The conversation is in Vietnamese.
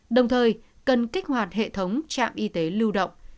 đồng thời cần kích hoạt hệ thống trạm y tế lưu động